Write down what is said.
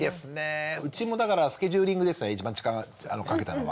うちもだからスケジューリングですね一番時間かけたのが。